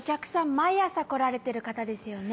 毎朝来られてる方ですよね？